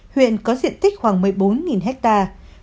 huyện có diện tích khoảng một mươi bốn hectare